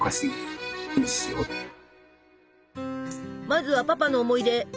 まずはパパの思い出！